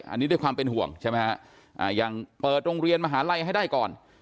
อันนี้ด้วยความเป็นห่วงใช่ไหมฮะอย่างเปิดโรงเรียนมหาลัยให้ได้ก่อน